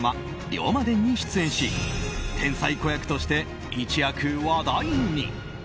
「龍馬伝」に出演し天才子役として一躍話題に。